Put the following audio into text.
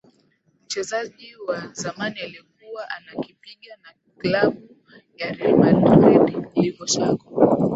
mchezaji wa zamani aliyekuwa anakipiga na klabu ya real madrid livo shako